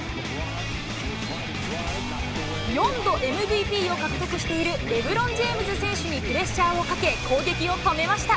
４度ＭＶＰを獲得しているレブロン・ジェームズ選手にプレッシャーをかけ、攻撃を止めました。